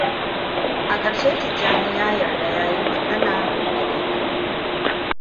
A ƙarshe Tijjani ya yarda ya yi magana da Lincoln.